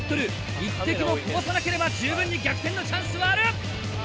１滴もこぼさなければ十分に逆転のチャンスはある！